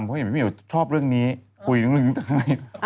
เพราะว่าพี่เหมียวชอบเรื่องนี้คุยอีกเรื่องนึงตั้งใด